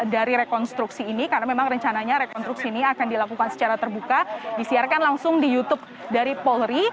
dari rekonstruksi ini karena memang rencananya rekonstruksi ini akan dilakukan secara terbuka disiarkan langsung di youtube dari polri